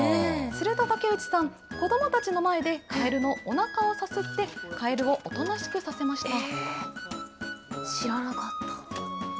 すると、竹内さん、子どもたちの前で、カエルのおなかをさすって、カエルをおとなしくさせました。